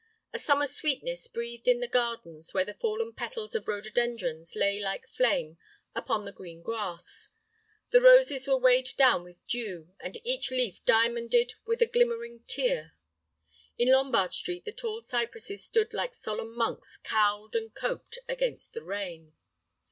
A summer sweetness breathed in the gardens where the fallen petals of rhododendrons lay like flame upon the green grass. The roses were weighed down with dew, and each leaf diamonded with a glimmering tear. In Lombard Street the tall cypresses stood like solemn monks cowled and coped against the rain.